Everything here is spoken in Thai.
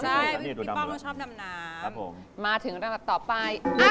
ใช่พี่ป๊อก็ชอบดำน้ำมาถึงราวต่อไปอัฐิกาย